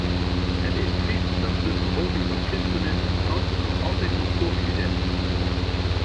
Het is triest dat de vervolging van christenen thans nog altijd wordt voortgezet.